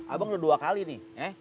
abang udah dua kali nih